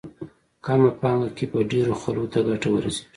کمه پانګه کې به ډېرو خلکو ته ګټه ورسېږي.